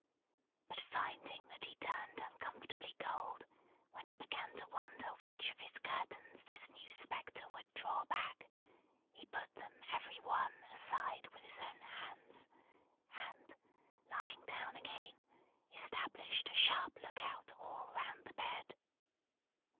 But finding that he turned uncomfortably cold when he began to wonder which of his curtains this new spectre would draw back, he put them every one aside with his own hands; and lying down again, established a sharp look out all round the bed.